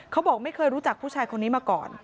เขาบอกไม่เคยรู้จักผู้ชายคนนี้มาก่อน